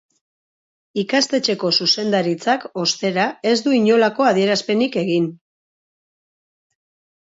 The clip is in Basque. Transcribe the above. Ikastetxeko zuzendaritzak, ostera, ez du inolako adierazpenik egin.